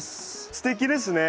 すてきですね。